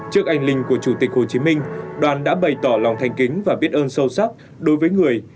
trước anh linh của chủ tịch hồ chí minh đoàn đã bày tỏ lòng thành kính và biết ơn sâu sắc đối với người